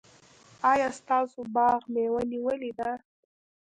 ایا ستاسو باغ مېوه نیولې ده؟